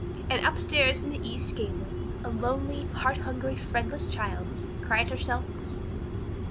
And up stairs, in the east gable, a lonely, heart hungry, friendless child cried herself to sleep.